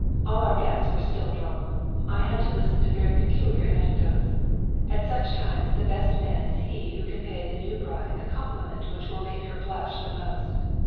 All our guests were still drunk. I had to listen to very peculiar anecdotes. At such times the best man is he who can pay the new bride the compliment which will make her blush the most.